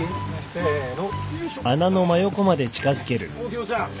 せの。